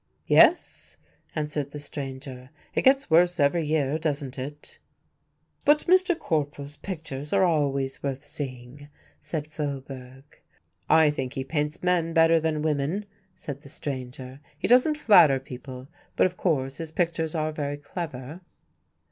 "Yes," answered the stranger; "it gets worse every year doesn't it?" "But Mr. Corporal's pictures are always worth seeing," said Faubourg. "I think he paints men better than women," said the stranger; "he doesn't flatter people, but of course his pictures are very clever."